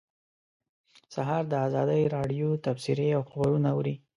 سهار د ازادۍ راډیو تبصرې او خبرونه اوري.